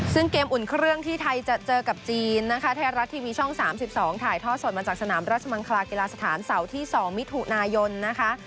ซึ่งเกมอุ่นเครื่องที่ไทยจะเจอกับจีนนะคะไทยรัฐทีวีช่อง๓๒ถ่ายท่อสดมาจากสนามราชมังคลากีฬาสถานเสาร์ที่๒มิถุนายนนะคะ